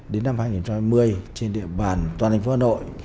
đến năm hai nghìn hai mươi trên địa bàn toàn thành phố hà nội